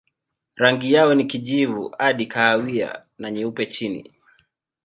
Rangi yao ni kijivu hadi kahawia na nyeupe chini.